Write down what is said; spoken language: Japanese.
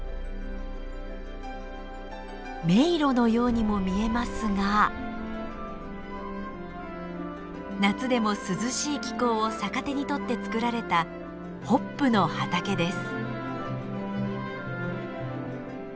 迷路のようにも見えますが夏でも涼しい気候を逆手に取って作られたホップの畑です。